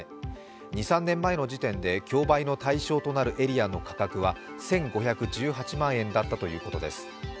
２３年前の時点で競売の対象となるエリアの価格は１５１８万円だったということです。